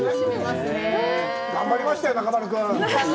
頑張りましたよ、中丸君。